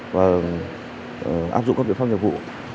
và áp dụng các biện pháp dụng vụ